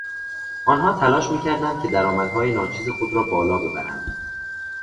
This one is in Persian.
آنها تلاش میکردند که درآمدهای ناچیز خود را بالا ببرند.